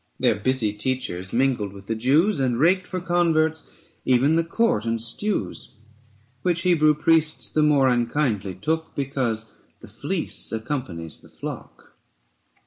125 Their busy teachers mingled with the Jews And raked for converts even the court and stews: Which Hebrew priests the more unkindly took, Because the fleece accompanies the flock.